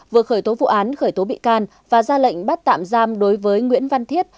vừa khởi tố vụ án khởi tố bị can và ra lệnh bắt tạm giam đối với nguyễn văn thiết